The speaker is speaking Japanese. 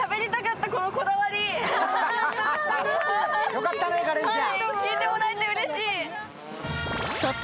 よかったね、花恋ちゃん。